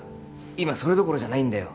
今それどころじゃないんだよ